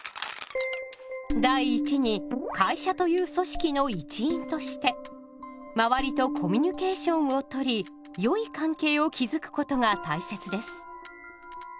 第１に会社という組織の一員としてまわりとコミュニケーションをとりよい関係を築くことが大切です。